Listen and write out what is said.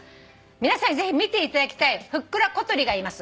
「皆さんにぜひ見ていただきたいふっくら小鳥がいます」